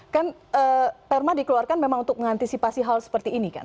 kan perma dikeluarkan memang untuk mengantisipasi hal seperti ini kan